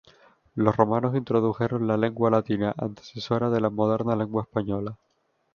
Los romanos introdujeron la lengua latina, antecesora de la moderna lengua española.